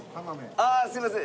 ああすいません。